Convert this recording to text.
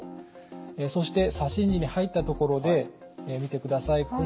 そして左心耳に入ったところで見てください。